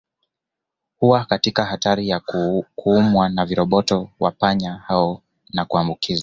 Huwa katika hatari ya kuumwa na viroboto wa panya hao na kuambukizwa